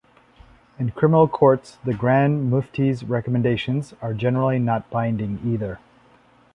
In criminal courts, the Grand Mufti's recommendations are generally not binding either.